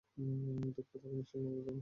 দুঃখ তাকে নিঃসঙ্গ করে তুলল।